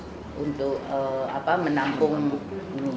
jadi ini sebetulnya juga merupakan menampung ini